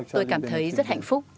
tôi cảm thấy rất hạnh phúc